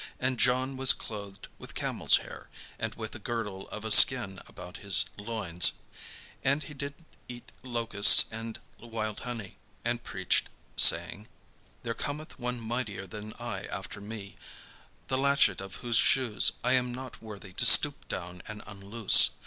And John was clothed with camel's hair, and with a girdle of a skin about his loins; and he did eat locusts and wild honey; and preached, saying: "There cometh one mightier than I after me, the latchet of whose shoes I am not worthy to stoop down and unloose.